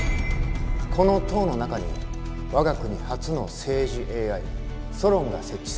この塔の中に我が国初の政治ＡＩソロンが設置されております。